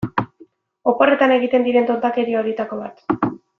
Oporretan egiten diren tontakeria horietako bat.